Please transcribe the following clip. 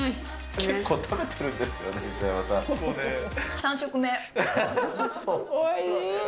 結構、食べてるんですよね、３食目。